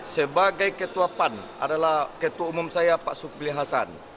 sebagai ketua pan adalah ketua umum saya pak supli hasan